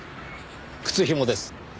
靴ひもです。